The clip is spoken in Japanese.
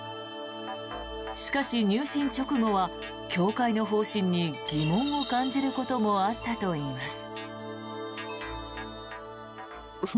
しかし、入信直後は教会の方針に疑問を感じることもあったといいます。